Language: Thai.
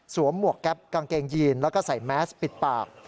หมวกแก๊ปกางเกงยีนแล้วก็ใส่แมสปิดปาก